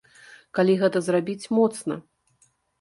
Калі гэта зрабіць моцна.